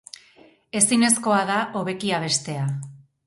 Ezinezkoa da hobeki abestea.